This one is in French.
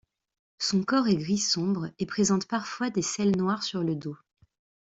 Son corps est gris sombre, et présente parfois des selles noires sur le dos.